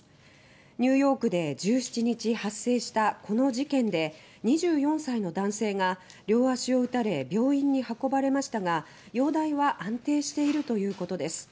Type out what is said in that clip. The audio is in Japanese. ニューヨークで１７日発生したこの事件で２４歳の男性が両足を撃たれ病院に運ばれましたが容体は安定しているということです。